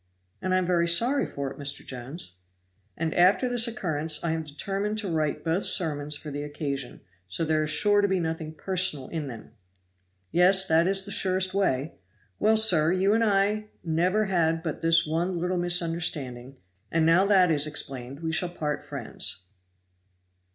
"And I'm very sorry for it, Mr. Jones." "And after this occurrence I am determined to write both sermons for the occasion, so there is sure to be nothing personal in them." "Yes, that is the surest way. Well, sir, you and I never had but this one little misunderstanding, and now that is explained, we shall part friends."